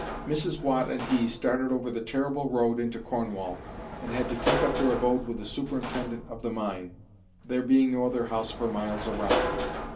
Mrs. Watt and he started over the terrible road into Cornwall, and had to take up their abode with the superintendent of the mine, there being no other house for miles around.